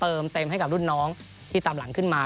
เติมเต็มให้กับรุ่นน้องที่ตามหลังขึ้นมา